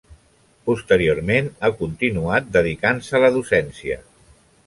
Posteriorment ha continuat dedicant-se a la docència.